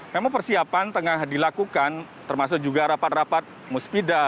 memang persiapan tengah dilakukan termasuk juga rapat rapat musbida